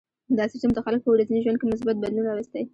دا سیستم د خلکو په ورځني ژوند کې مثبت بدلون راوستی.